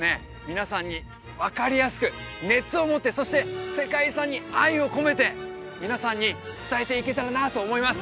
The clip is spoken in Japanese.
皆さんに分かりやすく熱を持ってそして世界遺産に愛を込めて皆さんに伝えていけたらなと思います